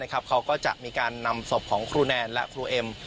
เขาก็จะมีการนำศพของครูแนนและครูเอ็ม